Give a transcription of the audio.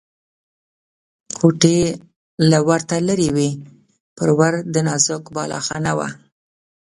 کوټې له ورته لرې وې، پر ور د نازک بالاخانه وه.